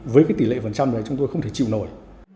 với cái tỷ lệ phần trăm này chúng tôi không thể chịu nổi